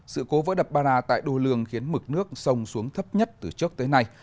sự cố vỡ đập bara tại đô lương khiến mực nước sông xuống thấp nhất từ trước tới nay